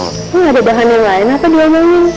lo gak ada bahan yang lain apa dia emang